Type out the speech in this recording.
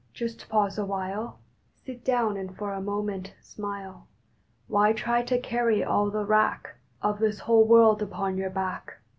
Just pause awhile. Sit down and for a moment smile. Why try to carry all the wrack Of this whole world upon your back?